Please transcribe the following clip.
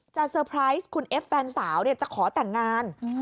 เซอร์ไพรส์คุณเอฟแฟนสาวจะขอแต่งงาน